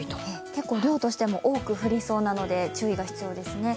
結構量としても多く降りそうなので注意が必要ですね。